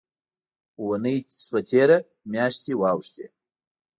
اوونۍ شوه تېره، میاشتي واوښتې